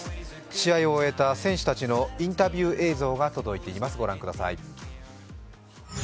試合を終えた選手たちのインタビュー映像が届いてます。